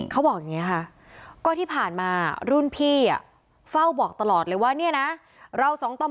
เขาบอกอย่างนี้ค่ะก็ที่ผ่านมารุ่นพี่ฟ้าวบอกตลอดเลยว่า